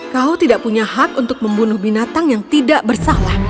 kau tidak punya hak untuk membunuh binatang yang tidak bersalah